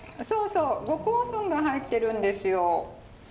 そうそう五香粉が入ってるんですよ。